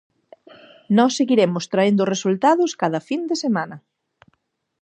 Nós seguiremos traendo os resultados cada fin de semana!